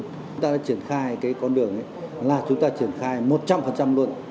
chúng ta đã triển khai cái con đường là chúng ta triển khai một trăm linh luôn